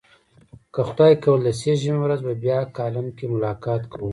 که خدای کول د سه شنبې په ورځ به بیا کالم کې ملاقات کوو.